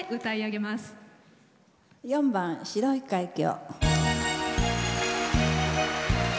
４番「白い海峡」。